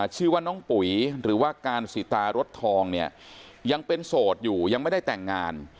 ชื่อว่าน้องปุ๋ยหรือว่าการสิตารสทองเนี่ยยังเป็นโสดอยู่ยังไม่ได้แต่งงาน